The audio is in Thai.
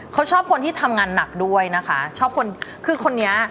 เขาชอบคนที่ทำงานหนักด้วยนะคะชอบคนคือคนนี้